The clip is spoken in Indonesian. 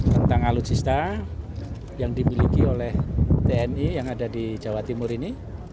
tentang alutsista yang dimiliki oleh tni yang ada di jawa timur ini